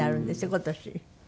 今年。